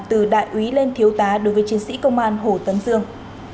từ đại úy lên thiếu tá đối với chiến sĩ công an hồ tấn dương